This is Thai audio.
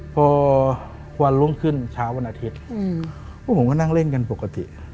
พอวันรุ่งขึ้นเช้าวันอาทิตย์พวกผมก็นั่งเล่นกันปกติ